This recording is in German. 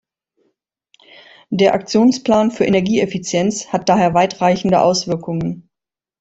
Der Aktionsplan für Energieeffizienz hat daher weitreichende Auswirkungen.